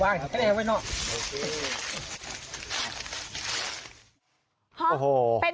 พระขู่คนที่เข้าไปคุยกับพระรูปนี้